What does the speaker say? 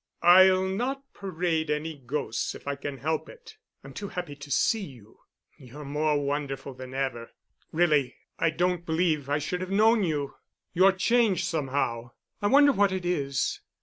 I'll not parade any ghosts if I can help it. I'm too happy to see you. You're more wonderful than ever. Really I don't believe I should have known you. You're changed somehow. I wonder what it is?"